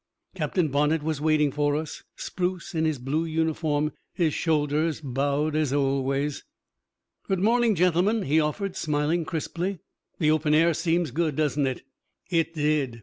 Captain Bonnett was waiting for us, spruce in his blue uniform, his shoulders bowed as always. "Good morning, gentlemen," he offered, smiling crisply. "The open air seems good, doesn't it?" It did.